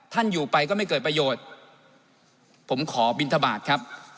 อยู่ไปก็ไม่เกิดประโยชน์ผมขอบินทบาทครับ